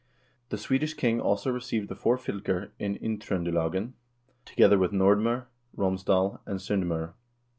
The Swedish king also received the four fylker in Indtr0ndelagen, together with Nordm0r, Romsdal, and S0ndm0r.